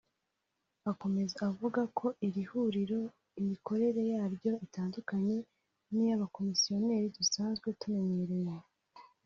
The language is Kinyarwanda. Akomeza avuga ko iri huriro imikorere yaryo itandukanye n’iy’abakomisiyoneri dusanzwe tumenyereye